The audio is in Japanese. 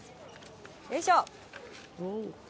よいしょ。